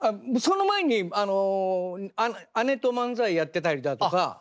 その前に姉と漫才やってたりだとか。